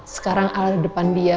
sekarang al ada depan dia